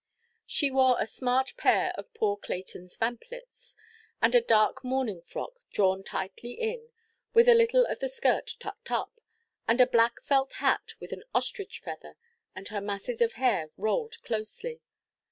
She wore a smart pair of poor Claytonʼs vamplets, and a dark morning–frock drawn tightly in, with a little of the skirt tucked up, and a black felt hat with an ostrich feather, and her masses of hair rolled closely.